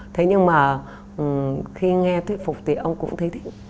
thế nhưng mà khi nghe thuyết phục thì ông cũng thấy thích